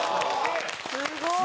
すごい！